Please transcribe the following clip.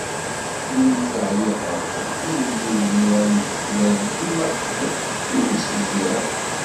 Ddunit ɛyiɣ beṛka, ul-iw mi am-yekna reggmeɣ-t ur as-ǧǧiɣ ara.